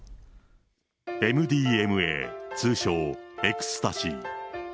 ＭＤＭＡ、通称、エクスタシー。